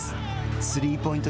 スリーポイント